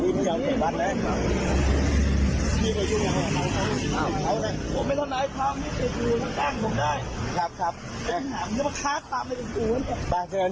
เดี๋ยวมาตรงนี้ก็เตะรอด